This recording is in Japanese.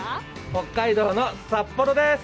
北海道の札幌です！